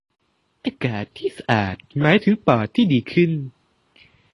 อากาศที่สะอาดหมายถึงปอดที่ดีขึ้น